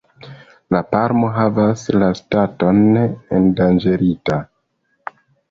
La palmo havas la staton "endanĝerita“.